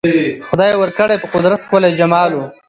خدای ورکړی په قدرت ښکلی جمال وو